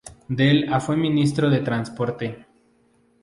Del a fue ministro de transporte.